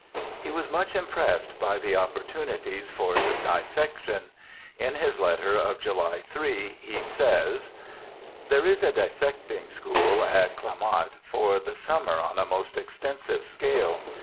He was much impressed by the opportunities for dis section. In his letter of July 3 he says :' There is a dissecting school at Clamart for the summer on a most extensive scale.